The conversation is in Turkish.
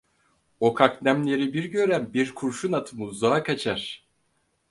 O kaknemleri bir gören bir kurşun atımı uzağa kaçar…